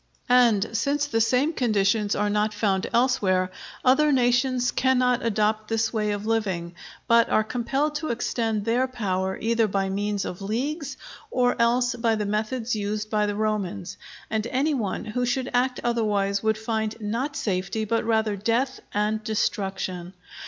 And since the same conditions are not found elsewhere, other nations cannot adopt this way of living, but are compelled to extend their power either by means of leagues, or else by the methods used by the Romans; and any one who should act otherwise would find not safety but rather death and destruction.